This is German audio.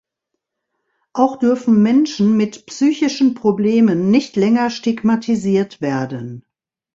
Auch dürfen Menschen mit psychischen Problemen nicht länger stigmatisiert werden.